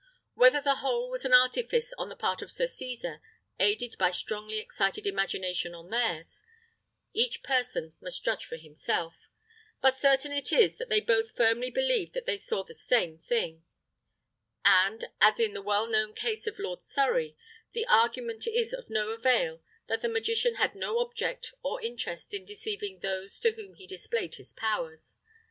Whether the whole was an artifice on the part of Sir Cesar, aided by strongly excited imagination on theirs, each person must judge for himself; but certain it is that they both firmly believed that they saw the same thing; and, as in the well known case of Lord Surrey, the argument is of avail, that the magician had no object or interest in deceiving those to whom he displayed his powers.